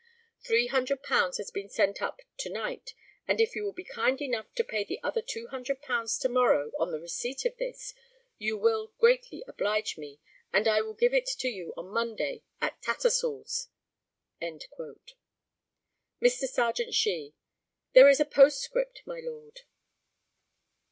£300 has been sent up to night, and if you will be kind enough to pay the other £200 to morrow, on the receipt of this, you will greatly oblige me, and I will give it to you on Monday at Tattersall's." Mr. Serjeant SHEE: There is a postscript, my Lord.